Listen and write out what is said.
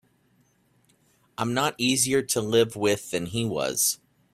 I'm not easier to live with than he was.